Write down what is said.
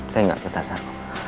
saya gak kesasar